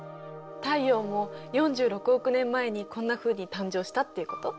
太陽も４６億年前にこんなふうに誕生したっていうこと？